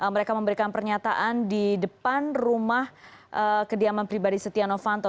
mereka memberikan pernyataan di depan rumah kediaman pribadi setia novanto